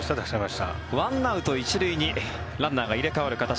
１アウト１塁にランナーが入れ替わる形。